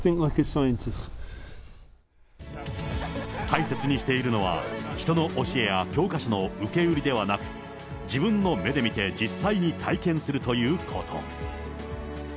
大切にしているのは、人の教えや教科書の受け売りではなく、自分の目で見て実際に体験するということ。